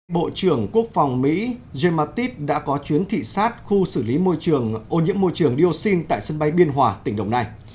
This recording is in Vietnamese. bộ trưởng quốc phòng mỹ james mattis đã có chuyến thị sát khu xử lý môi trường ô nhiễm môi trường dioxin tại sân bay biên hòa tỉnh đồng nai